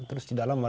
terus di dalam ada